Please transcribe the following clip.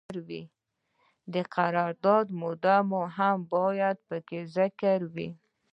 د قرارداد موده هم باید پکې ذکر وي.